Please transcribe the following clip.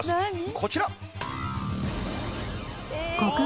こちら。